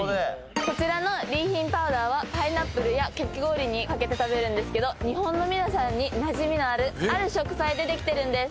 こちらのリーヒンパウダーはパイナップルやかき氷にかけて食べるんですけど日本のみなさんになじみのあるある食材でできてるんです